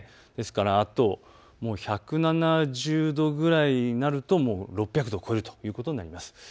ですからあと１７０度くらいになると、６００度を超えるということになります。